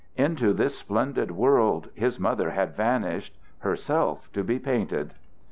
Into this splendid world his mother had vanished, herself to be painted.